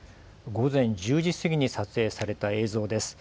午前１０時過ぎに撮影された映像です。